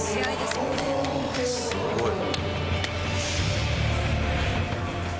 すごい。